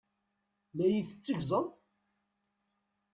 La yi-tetteggzeḍ?